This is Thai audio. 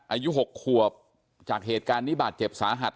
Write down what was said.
อายุ๖ขวบจากเหตุการณ์นี้บาดเจ็บสาหัส